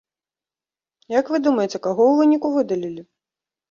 Як вы думаеце, каго ў выніку выдалілі?